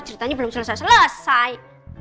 ceritanya belum selesai selesai